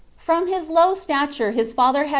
From his low stature his faliier had '